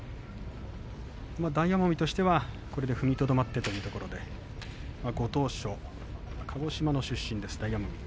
大奄美としてはこれで踏みとどまったということでご当所、鹿児島の出身です。